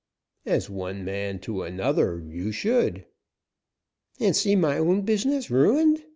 "As one man to another, you should." "And see my own business ruined.